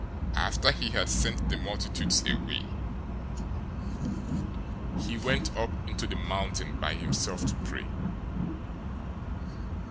014:023 After he had sent the multitudes away, he went up into the mountain by himself to pray.